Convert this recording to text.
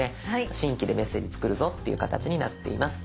新規でメッセージ作るぞっていう形になっています。